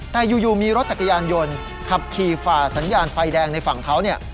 แต่อยู่มีรถจักรยานยนต์ขับขี่ฝ่าสัญญาณไฟแดงในฝั่งเขาเนี่ย